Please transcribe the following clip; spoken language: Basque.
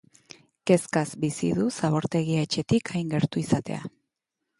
Kezkaz bizi du zabortegia etxetik hain gertu izatea.